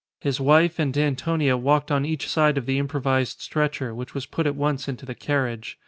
His wife and Antonia walked on each side of the improvised stretcher, which was put at once into the carriage.